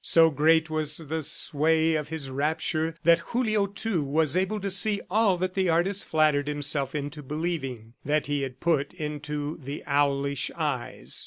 So great was the sway of his rapture that Julio, too, was able to see all that the artist flattered himself into believing that he had put into the owlish eyes.